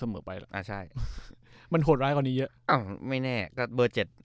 ไปอ่าใช่มันโหดร้ายกว่านี้เยอะอ้าวไม่แน่ก็เบอร์เจ็ด